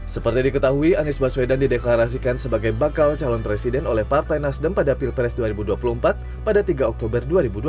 seperti diketahui anies baswedan dideklarasikan sebagai bakal calon presiden oleh partai nasdem pada pilpres dua ribu dua puluh empat pada tiga oktober dua ribu dua puluh